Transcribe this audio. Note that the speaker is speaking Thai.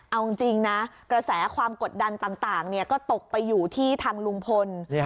เอาจริงนะกระแสความกดดันต่างก็ตกไปอยู่ที่ทางลุงพล